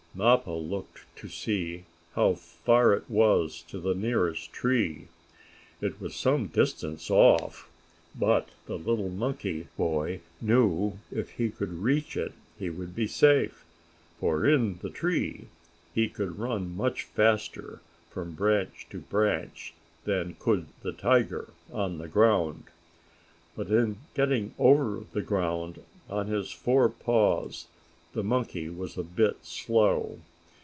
Mappo looked to see how far it was to the nearest tree. It was some distance off, but the little monkey boy knew if he could reach it he would be safe. For, in the tree, he could run much faster, from branch to branch, than could the tiger on the ground. But in getting over the ground on his four paws the monkey was a bit slow.